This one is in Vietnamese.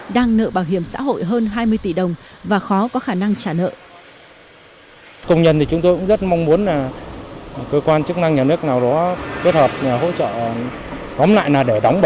đang nợ bảo hiểm xã hội hơn hai mươi tỷ đồng và khó có khả năng trả nợ